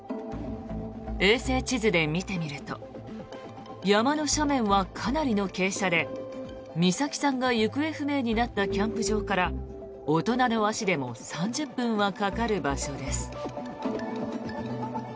衛星地図で見てみると山の斜面はかなりの傾斜で美咲さんが行方不明になったキャンプ場から大人の足でも３０分はかかる場所です。